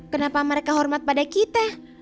kenapa mereka hormat pada kita